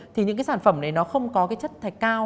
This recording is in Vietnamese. thì những sản phẩm này nó không có chất thạch cao